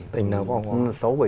tỉnh nào có